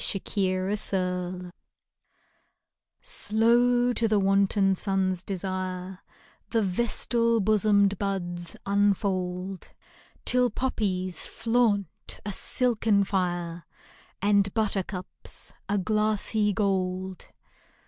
65 ' AN APRIL MORNING Slow to the wanton sun's desire The vestal bosomed buds unfold, Till poppies flaunt a silken fire, And buttercups a glassy gold.